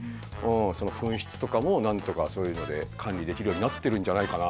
紛失とかもなんとかそういうので管理できるようになってるんじゃないかな。